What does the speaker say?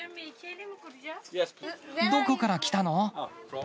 どこから来たの？